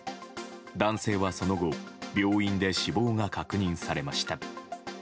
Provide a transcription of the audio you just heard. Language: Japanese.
男性はその後、病院で死亡が確認されました。